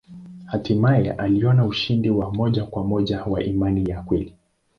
Hatimaye aliona ushindi wa moja kwa moja wa imani ya kweli.